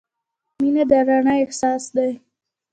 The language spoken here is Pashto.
• مینه د رڼا احساس دی.